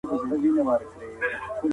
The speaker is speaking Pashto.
طبیعت کي ګرځېدل ذهني فشار ختموي.